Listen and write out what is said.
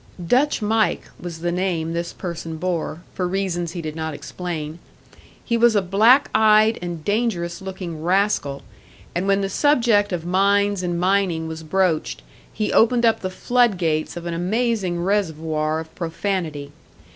"Dutch Mike" was the name this person bore, for reasons he did not explain. He was a black eyed and dangerous looking rascal, and when the subject of mines and mining was broached, he opened up the flood gates of an amazing reservoir of profanity.